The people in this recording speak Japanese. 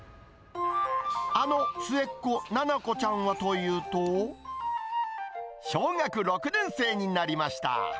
あの末っ子、七虹ちゃんはというと、小学６年生になりました。